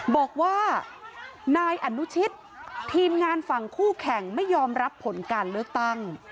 บอกว่านายอนุชิตทีมงานฝั่งคู่แข่งไม่ยอมรับผลการเลือกตั้ง